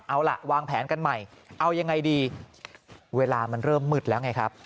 เอาล่ะวางแผนกันใหม่เอายังไงดีเวลามันเริ่มมืดแล้วไงครับ